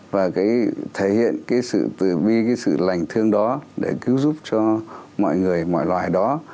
và thể hiện cái sự từ bi cái sự lành thương đó để cứu giúp cho mọi người mọi loài đó